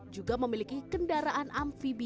juga memiliki kendaraan amphibian